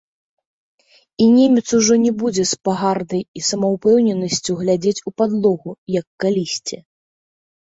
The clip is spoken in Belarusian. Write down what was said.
І немец ужо не будзе з пагардай і самаўпэўненасцю глядзець у падлогу, як калісьці.